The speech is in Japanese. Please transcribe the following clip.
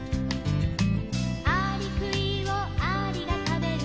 「アリクイをアリが食べる」